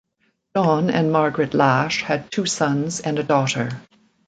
Don and Margaret Lash had two sons and a daughter.